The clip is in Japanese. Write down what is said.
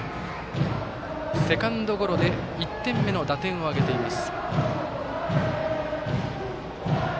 セカンドゴロで１点目の打点を挙げています。